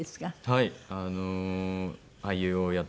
はい。